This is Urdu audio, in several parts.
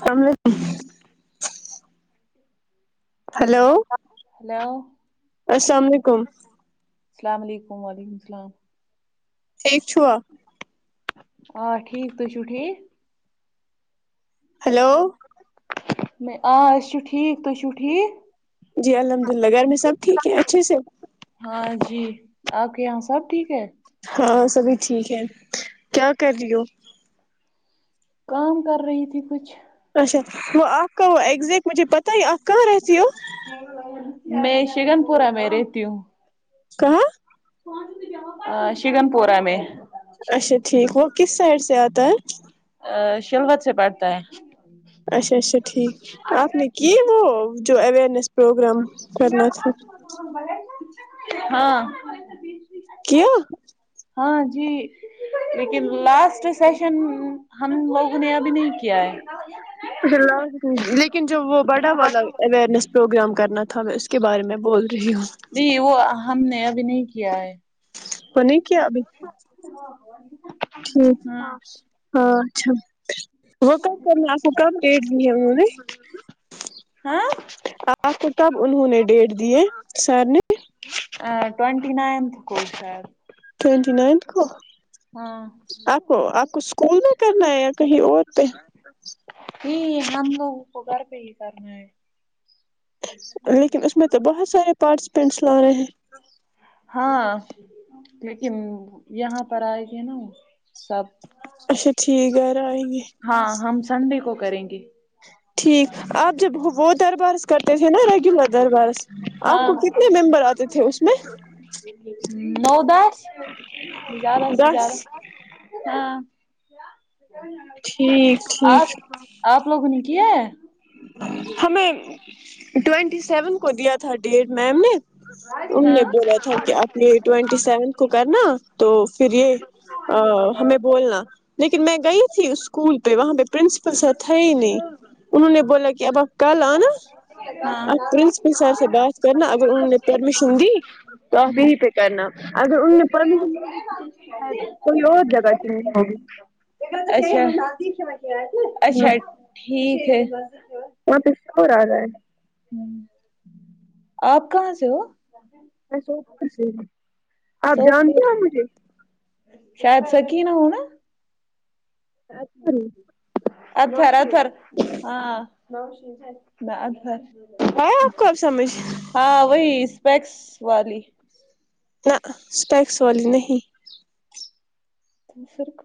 ساملیک [unintelligible] [unintelligible] ہلو ہیلو السلام علیکم السلام علیکم وعلیکم السلام ٹھیک چوا آ ٹھیک تہ چو ٹھیک [unintelligible] ہلو میں آ اس سے ٹھیک تہ چو ٹھیک جی الحمد دگر میں سب ٹھیک ہے اچھے سے آ کے یہاں سب ٹھیک ہے ہاں سبھی ٹھیک ہے کیا کر رہی ہو کام کر رہی تھی کچھ اچ وہ آپ کا وہ ایگزیکٹ مجھے پتا ہی ہے آپ کہ رہتی میں شگن پورہ میں رہتی ہوں کہاں شگن پور میں اچھا ٹھیک وہ کس سائڈ سے آتا ہے شلوت سے پڑتا ہے اچھا اچھا ٹھیک آپ نے کی وہ جو اویرنیس پروگرام کرنا تھا ہاں کیا ہاں جی لیکن لاسٹ سیشن ہم لوگوں نے ابھی نہیں کیا ہے جلو [unintelligible] لیکن جو وہ بڑا والا اوئرنیس پروگرام کرنا تھا میں اس کے بارے میں بول رہی ہوں نہیں وہ ہم نے ابھی نہیں کیا ہے تو نہیں کیا ابھی ہ ٹھیک ہ اچھا وہ کب کرنا آپ کو کب ڈیٹ دی ہے انہوں نے ہاں آپ کو کب انہوں نے ڈیٹ دی ہے سر نے ٹوونٹی نائنتھ کو سر ٹوینٹی نائنتھ کو آپ کو آپ کو اسکول میں کرنا ہے یا کہیں اور پہ یہ م توپ گھر پہ ہی کرنا ہے لیکن اس میں تو بہت سارے پارٹیسپینٹس لا رہے ہیں ہاں لیکن یہاں پر آئے گے نا سب اچھا ٹھیک ہے ہاں ہم سنڈے کو کریں گی ٹھیک آپ جب وہ دربارس کرتے تھے نا ریگولر دربارس آپ ہاں کو کتنے ممبر آتے تھے اس میں ہ نو داس جال اس دس جال ہاں بہار کی اوج عا رہی ٹھیک ہے آپ ٹھیک آپ لوگوں نے کیا ہمیں ٹوونٹی سیون کو دیا تھا ڈیٹ میم نے انوں نے بولا تھا کہ اپنے ٹینٹی سیونتھ کو کرنا تو پھر یہ ہمیں بولنا لیکن میں گئی تھی اس اسکول پہ وہاں پہ پرنسپل سر تھ ہی نہیں انہوں نے بولا کہ اب کل آنا آپ پرنسپل سر ہاں سے بات کرنا اگر ان نے پرمیشن دی تو آپ ہاں یہیں پہ کرنا اگر ان پرمیشنید کوئی اور جگہ چ ہوگی اچھا شادی ہاں اچھا ٹھیک ا وہاں پہ شور آ رہا ہے آپ کہاں سے ہو ایسا ہوپ سے آپ جانتے سوپور ہو سے مجھے شاید سکی نہ ہونا اکثر ہوں اچور اچار ہاں نش میں اندہر آیا آپ کو اب سمجھ ہاں وہی اسپیکس سوالی نہ اسپیکس والی نہیں سرک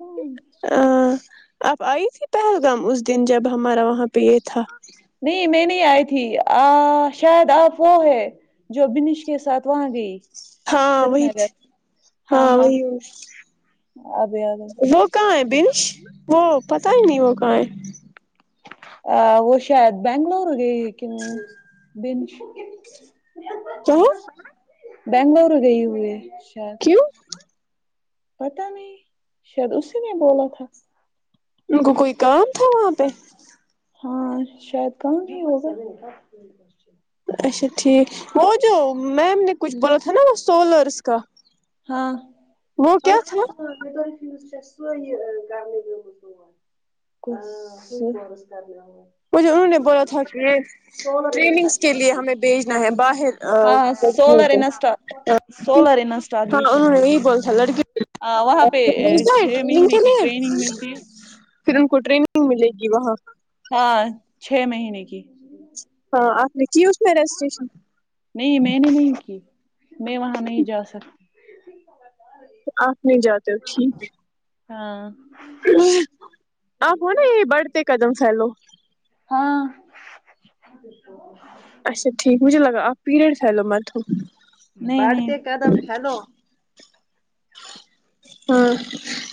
آپ آئی تھی پہلگام اس دن جب ہمارا وہاں پی تھا نہیں میں نہیں آئی تھی آ شاید آپ وہ ہے جو بنیش کے ساتھ وہاں گئی ہاں سری وہی نگر ہاں وہی اب یاد آئی وہ کہاں ہے بنش وہ پتا ہی نہیں وہ کہیں ا وہ شاید بنگلور گئی کن بن کیااں بگلورو گئی ہوئے اچھا کیوں پتا نہیں شاید اسی نے بولا تھا ان کو کوئی کام تھا وہاں پہ ہاں شاید کہم نہیں ہوگا اچھا ٹھیک وہ جو میم نے کچھ بولا تھا نا وہ سولرس کا ہاں وہ س کیا تھا کرنے گ س مجھے انہوں نے بولا تھا کہ ٹریننگس کے لیے ہمیں بھیجنا ہے باہر ہاں لڑکیوں سولر کو انسٹا سولر ہاں انہوں انسٹالیشن کے نے یہی لیے بول تھا لڑکی ہاں وہاں پہ چھ ٹریگ مہینے کے کی لیے ٹریننگ ملتی ہے پھر ان کو ٹرینگ ملے گی وہ ہاں ہاں چھ مہینے کی ہاں آپ چی نہیں میں نے نہیں کی میں وہاں نہیں جا سکتی آپ نہیں جاتے ہو ٹھیک ہاں آپ ہو ن یہ بڑھتے قدم فہلو ہاں اچا ٹھیک مجھے لگا آپ پیرڈ تھالت نہیں قدم فلو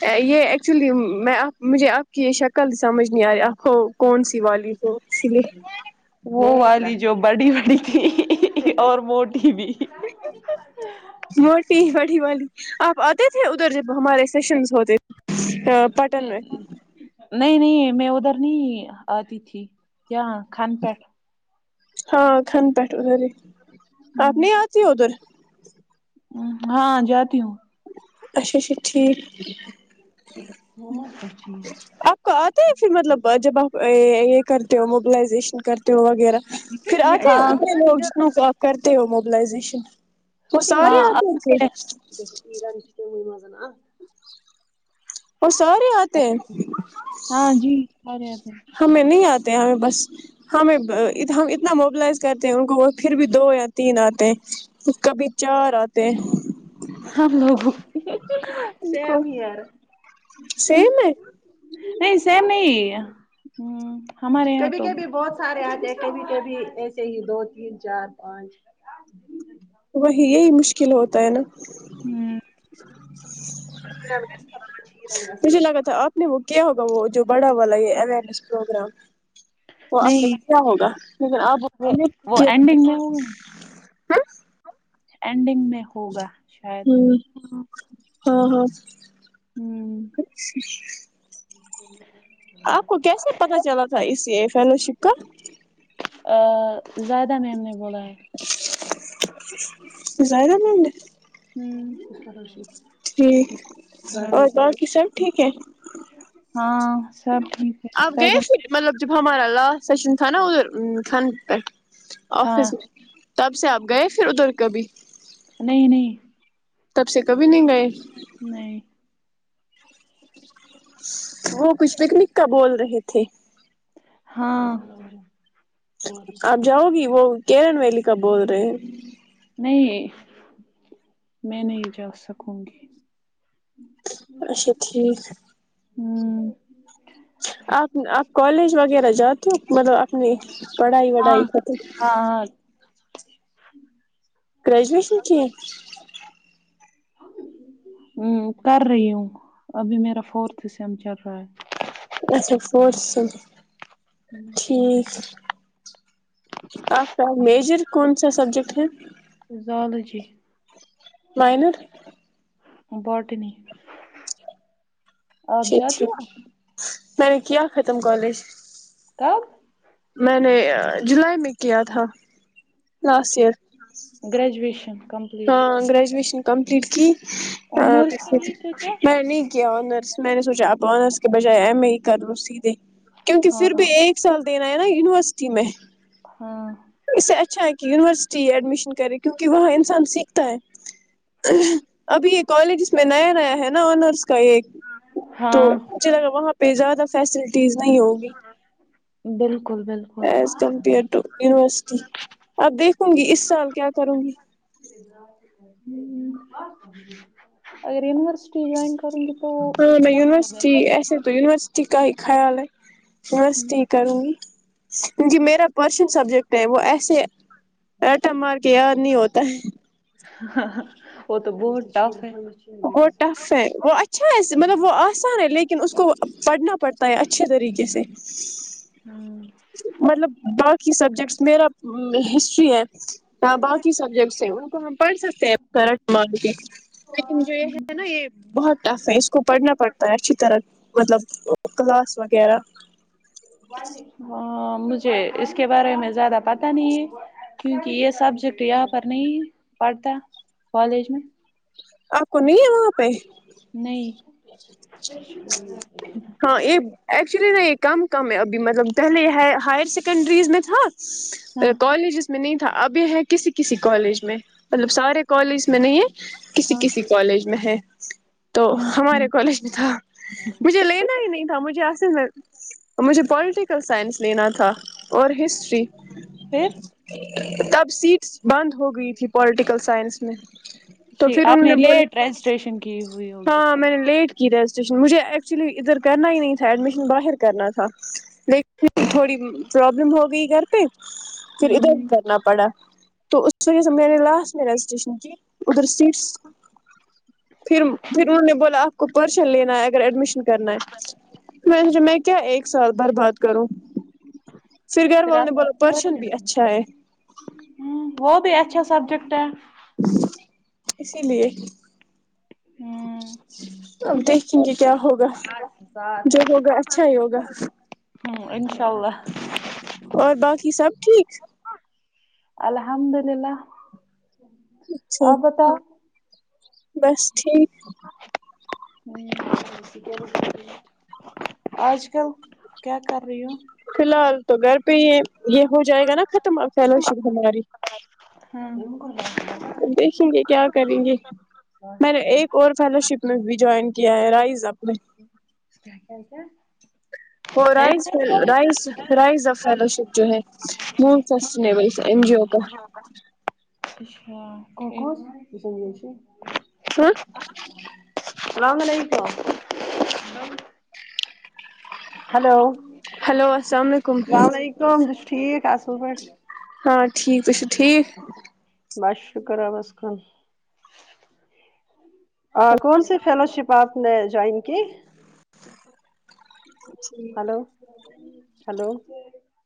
ہاں یہ ایکچولی میں آپ مجھے آپ کی یہ شکل سمجھ نہیں آئی آپ کو کون سی والی ا سلی وہ والی جو بڑی بڑی تھی اور موٹی بھی م پٹی پڑی بول آپ آتے تھے ادھر جب ہمارے سیشنز ہوتے تھے نہیں نہیں میں ادھر نہیں آتی تھی کیا کھان پیٹ ہاں کان پ ہو آپ نہیں آتی ہو ادھر [unintelligible] ہاں جاتی ہوں اچھا اچھا ٹھیک ہاں مت جی آپ کو آتا ہے پھر مطلب جب آپ یہ کرتے ہو موبلائزیشن کرتے ہو وغیرہ پھر آتے ہاں اننے لوگ جتنوں کو آپ کرتے ہو م سبلائزیشن وہ سارے ہاں آتے تھ آ وہ سارے آتے ہیں ہاں جی سارے آتے ہیں ہمیں نہیں آتا ہمیں بس ہمیں ہم اتنا موبلائز کرتے ہیں ان کو وہ پھر بھی دو یا تین آتے ہیں کبھی چار آتے سم ہی یار س میں نہیں سیم نہیں ہ ہمارے یہ کبھیبھی بہت سارے آتے ہیں کبھی کبھی ایسے ہی دو تین چار پانچ وہی یہی مشکل ہوتا ہے نا ہوں چیرا خ شیرن گ نہیں وہ کیا ہوگا وہ جو بڑا والا یہ اوئرنیس پروگرام تو آپ نے نہیں کیا ہوگا لیکن آپ وہ وہ اینڈنگ انڈنگ میں ہوگا شاید ہاں ہاں اچھا تو فلو شکا ا زیادہ نہیں نے ب ہے زائےیدا مم نےے ہ اسکالرشپ جی اور باقی سب ٹھیک ہے ہاں سب ٹھیک ہے آپ پہلے گئے مجھے پھر مطلب جب ہمارا لا سو چ ن تھانا ا تھان پی ہاں آفس تب سے آپ گئے پھر ادھر کبھی نہیں نہیں تب سے کبھی نہیں گئے نہیں وہ کچھ نکنکا بول رہے تھے ہاں آپ جاؤ گ وہ کیرن ولک بودرے نہیں میں نہیں جا سکوں گی اچھا ٹھیک ہوں آپ آپ کالج وغیرہ جاتے ہو مطلب نہیں پڑھائی وھائی خت ہ گریجویشن کیھی ہ کر رہی ہوں ابھی میرا فورتھ اسم چل رہا ہے ا فورس سے ہے ٹھیک آپ کا میجر کون سا سبجیکٹ ہے زالوجی لائنر بورٹین سچ میں نے کیا ختم کالج کیا میں نے جولائی میں کیا تھا لاسٹ ٹھ ایئر گریجویشن کمپلیٹ ہاں گریجویشن کمپلیٹ کی آنرس کا نہیں سوچا میں نہیں کیا آنرس میں نے سوچا اب آنرس کے بجائے ایم اے کرو س د کیونکہ ہاں پھر بھی ایک سال دینا ہے نا یونیورسٹی میں ہاں اس سے اچھا ہے کہ یونیورسٹی ایڈمیشن کرے کیونکہ وہاں انسان سیکھتا ہے ابھی یہ کالج اس میں نیا نیا ہے نا آنرس کا ایک تو ہاں مجھے لگا وہاں پہ زیادہ سا چیز نہیں ہوگی بالکل بالکل ایز کمپیئر ٹو یونیورسٹی اب دیکھوں گی اس سال کیا کروں گی اگر م ہاں میں سے یونیورسٹی بہتر ہے ایسے تو یوورسٹی کا خیال ہے بس ہوں، ٹھیک کروں گی ج میرا پرسند سبجیکٹ ہے وہ ایسے رٹا مار کے یاد نہیں ہوتا ہے وہ تو بہت ٹف ہے ہوں، وہ ٹف ہے وہ اچھا ہے مطلب وہ آسان ہے لیکن اس کو پڑھنا پڑتا ہے اچھے طریقے سے مطلب بس سبجیکٹس میرا باقی سبجیکٹس ہیں ان کو ہم پڑھ سکتے ہیں کرنٹ مارک کے ن جو یہ ہے نا یہ بہت ٹف ہے اس کو پڑھنا پڑتا ہے اچھی طرح مطلب کلاس وغیرہ ہ مجھے اس کے بارے میں زیادہ پتا نہیں ہے کیونکہ یہ سبجیکٹ یہاں پر نہیں پڑھتا کالج میں آ کو نہیں ہے وہاں پہ اوکے ہاں یہ ایکچولی نا یہ کم کم ہے ابھی مطلب پہلے یہ ہائر س کنٹرز م میں تھاک ہاں کالج میں نہیں تھا ابھی ہے کسی کسی کالج میں مطلب سارے کالج میں نہیں ہے کسی ہاں کسی کالج میں ہے تو ہ ہمارے کالج میں تھا مجھے لینا ہی نہیں تھا مجھے صل میں مجھے پوالٹیکل سائنس لینا تھا اور ہسٹری پھر [unintelligible] سیٹس بند ہو گئی تھی پولیٹیکل سائنس میں نہیں جی آپ نے لیٹ رجسٹریشن کی ہوئی ہوگی [unintelligible] اسشن مجھے ایکچولی ادھر کرنا ہی نہیں تھا ایڈمیشن باہر کرنا تھا لیکن پھر تھوڑی پرابلم ہو گئی گھر پہ پھر ادھر ہی ہ کرنا پڑا تو اس وجہ سے میں نے لاسٹ میں رجسٹریشن کی ادھر سس پھر پھر انہوں نے بولا آپ کو پرس لین ہے اگر ایڈمیشن کو کرنا ہے میں میں کیا ایک سال بر باد کرو ہ وہ بھی اچھا سبجیکٹ ہے اسی لیے ہ اب دیکھیں گے کیا ہوگا جو ہوگا اچھا ہی ہوگا ہ انشاء اللہ اور باقی سب ٹھیک الحمد للہ اچھا آ بتاؤ بس ٹھیک آج کل کیا کر رہی ہو فی الحال تو گھر پہ ہی ہے یہ ہو جائے گا نا ختم فیلو شپ ہماری ہاں تو دیکھیں گے کیا کریں گے میں نے ایک اور فیلو شپ میں بھی جوائن کیا ہے رائز اپ اپ میں رائز رز رائز فیلو شپ جو ہے م سسب این جیو کا اسش ککوزز یہس [unintelligible] السلام علیکم ہلو ہیلو السلام علیکم یلیکم ت ٹھی صب [unintelligible] ہاں ٹھیک ت چ ٹھیک بس شکر ربس کن اور کون سی فیلو شپ باپ نے جوائن کی جی ہلو ہلو